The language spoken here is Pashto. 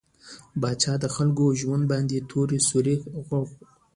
پاچا د خلکو په ژوند باندې تور سيورى غوړولى.